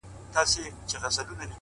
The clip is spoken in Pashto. جنونه اوس مي پښو ته زولنې لرې که نه،